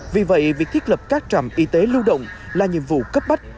vì vậy việc thiết lập các trạm y tế lưu động là nhiệm vụ cấp bách